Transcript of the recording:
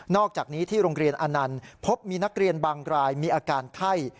อกจากนี้ที่โรงเรียนอนันต์พบมีนักเรียนบางรายมีอาการไข้